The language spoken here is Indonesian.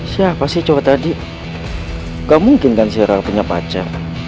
siapa sih cowok tadi gak mungkin kan si rara punya pacar